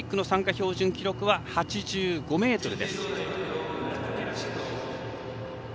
標準記録は８５ｍです。